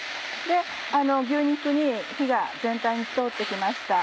牛肉に火が全体に通って来ました。